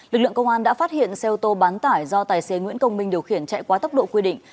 lực lượng công an đã phát hiện xe ô tô bán tải do tài xế nguyễn công minh điều khiển chạy quá tốc độ quy định